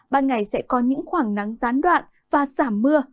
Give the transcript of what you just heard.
ban ngày sẽ có những khoảng nắng gián đoạn và giảm mưa